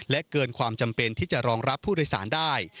เกินความจำเป็นที่จะรองรับผู้โดยสารได้